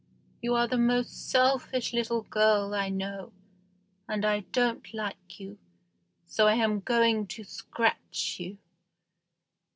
You are the most selfish little girl I know, and I don't like you, so I am going to scratch you."